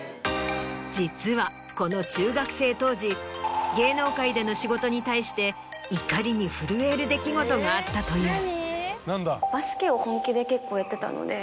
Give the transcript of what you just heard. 実はこの中学生当時芸能界での仕事に対して怒りに震える出来事があったという。